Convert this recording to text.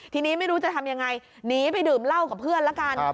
ทีนี้ไม่รู้จะทำยังไงหนีไปดื่มเหล้ากับเพื่อนละกัน